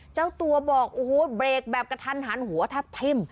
เจ้าตัวบอกโอ้โหเบรกแบบกระทันหันหัวแทบทิ้ม